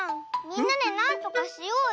みんなでなんとかしようよ！